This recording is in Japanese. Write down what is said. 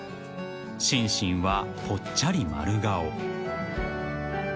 ［シンシンはぽっちゃり丸顔］